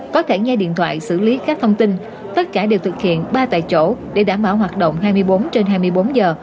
có cả nghe điện thoại xử lý các thông tin tất cả đều thực hiện ba tại chỗ để đảm bảo hoạt động hai mươi bốn trên hai mươi bốn giờ